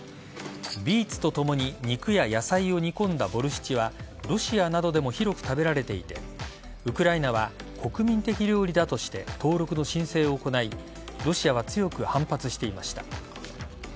ビーツとともに肉や野菜を煮込んだボルシチはロシアなどでも広く食べられていてウクライナは国民的料理だとして登録の申請を行いロシアは強く反発していました。